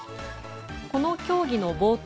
この協議の冒頭